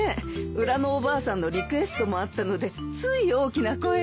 裏のおばあさんのリクエストもあったのでつい大きな声で。